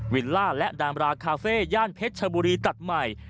ล่าและดามราคาเฟ่ย่านเพชรชบุรีตัดใหม่